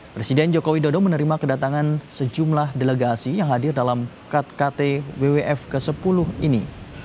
presiden jokowi dodo menerima kedatangan sejumlah delegasi yang hadir dalam ktwf ke sepuluh ini